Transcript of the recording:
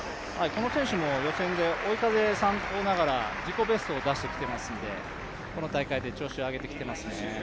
この選手も、予選で追い風参考で自己ベストを出してきてますのでこの大会で調子を上げてきていますね。